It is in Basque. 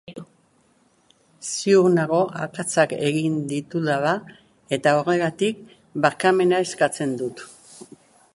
Ziur nago akatsak egin ditudala eta horregatik barkamena eskatzen dut.